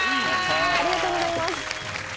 ありがとうございます。